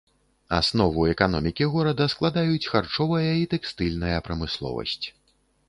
Аснову эканомікі горада складаюць харчовая і тэкстыльная прамысловасць.